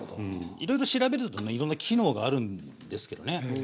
いろいろ調べるとねいろんな機能があるんですけどね。